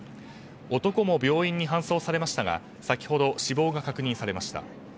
男も病院に搬送されましたが先ほど、死亡が確認されました。